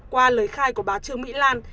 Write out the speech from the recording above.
qua lời khai của bà trương mỹ lan